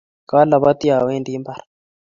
Kalabati awendi mbar